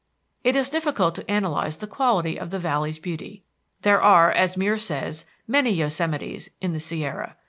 It is difficult to analyze the quality of the Valley's beauty. There are, as Muir says, "many Yosemites" in the Sierra.